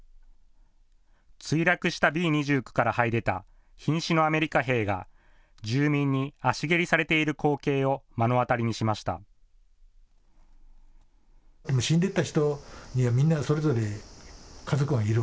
墜落したＢ２９からはい出たひん死のアメリカ兵が住民に足蹴りされている光景を目の当たりにしました。